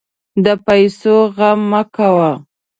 د پیسو غم مه کوه.